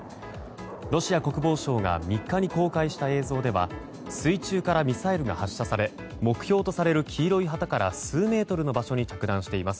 ロシア国防省が３日に公開した映像では水中からミサイルが発射され目標とされる黄色い旗から数メートルの場所に着弾しています。